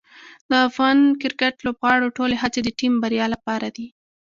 د افغان کرکټ لوبغاړو ټولې هڅې د ټیم بریا لپاره دي.